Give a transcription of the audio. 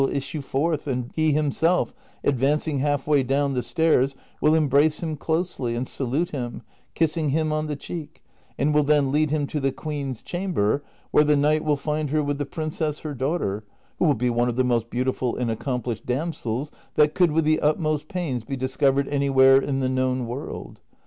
153 issue forth, and he himself, advancing half way down the stairs, will embrace him closely, and salute him, kissing him on the cheek, and will then lead him to the queen's chamber, where the knight will find her with the princess her daughter, who will be one of the most beautiful and accomplished damsels that could with the utmost pains be discovered any where in the known world.